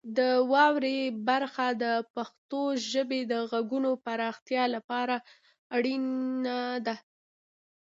د واورئ برخه د پښتو ژبې د غږونو پراختیا لپاره اړینه ده.